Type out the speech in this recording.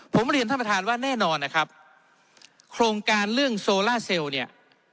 ผมเรียนท่านประธานว่าแน่นอนนะครับโครงการเรื่องโซล่าเซลล์เนี่ย